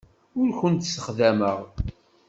Ur kent-ssexdameɣ.